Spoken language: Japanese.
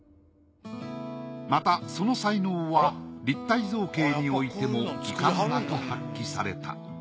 またその才能は立体造形においても遺憾なく発揮された。